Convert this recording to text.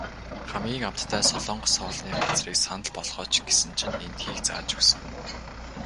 Хамгийн амттай солонгос хоолны газрыг санал болгооч гэсэн чинь эндхийг зааж өгсөн.